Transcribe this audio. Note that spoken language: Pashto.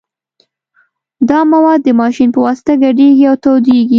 دا مواد د ماشین په واسطه ګډیږي او تودیږي